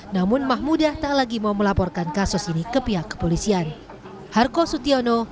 namun mahmudah tak lagi mau melaporkan kasus ini ke pihak kepolisian